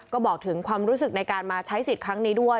ก็บอกถึงความรู้สึกในการมาใช้สิทธิ์ครั้งนี้ด้วย